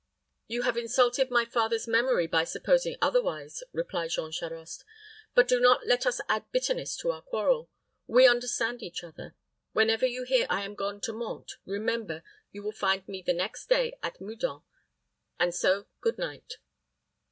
"You have insulted my father's memory by supposing otherwise," replied Jean Charost. "But do not let us add bitterness to our quarrel. We understand each other. Whenever you hear I am gone to Mantes, remember you will find me the next day at Meudon and so good night."